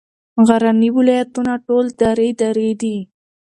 غرني ولایتونه ټول درې درې دي.